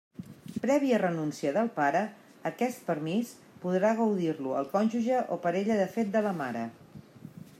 Prèvia renúncia del pare, aquest permís podrà gaudir-lo el cònjuge o parella de fet de la mare.